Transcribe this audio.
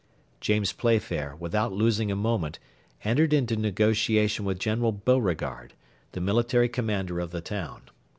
James Playfair, without losing a moment, entered into negotiation with General Beauregard, the military commander of the town.